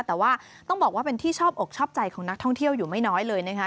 แต่ว่าต้องบอกว่าเป็นที่ชอบอกชอบใจของนักท่องเที่ยวอยู่ไม่น้อยเลยนะคะ